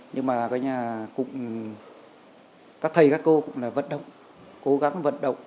nhưng mà các thầy các cô cũng là vận động cố gắng vận động